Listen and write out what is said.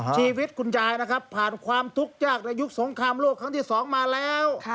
ชีวิตคุณยายนะครับผ่านความทุกข์ยากในยุคสงครามโลกครั้งที่๒มาแล้ว